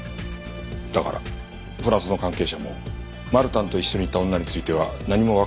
だからフランスの関係者もマルタンと一緒にいた女については何もわからないと言っている。